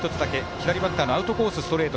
左バッターのアウトコース、ストレート